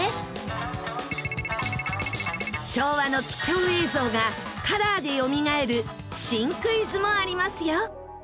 昭和の貴重映像がカラーでよみがえる新クイズもありますよ。